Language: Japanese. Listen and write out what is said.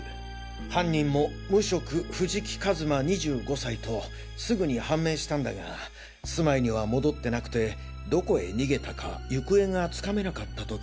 犯人も無職藤木一馬２５歳とすぐに判明したんだが住まいには戻ってなくてどこへ逃げたか行方がつかめなかった時。